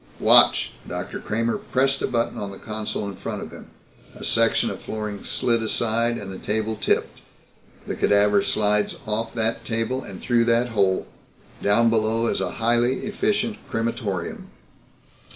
"Watch." Dr. Kramer pressed a button on the console in front of him. A section of flooring slid aside and the table tipped. "The cadaver slides off that table and through that hole. Down below is a highly efficient crematorium."